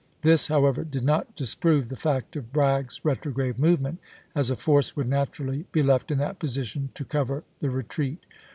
This, however, did not disprove the fact of Bragg's retrograde movement, as a force would naturally be left in that position to cover the retreat.